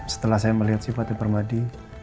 setelah saya melihat sifatnya permadi